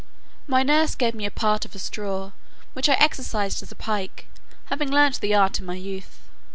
My nurse gave me a part of a straw, which I exercised as a pike, having learnt the art in my youth.